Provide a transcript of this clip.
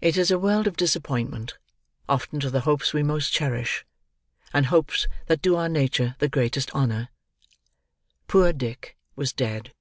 It is a world of disappointment: often to the hopes we most cherish, and hopes that do our nature the greatest honour. Poor Dick was dead!